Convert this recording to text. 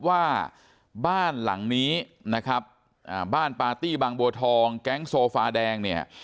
ว่าบ้านหลังนี้นะครับอ่าบ้านปาร์ตี้บางบัวทองแก๊งโซฟาแดงเนี่ย